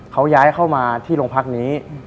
เขาย้ายเข้ามาที่โรงพักนี้